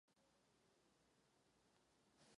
Charakteristickým rysem města jsou krásné zahrady.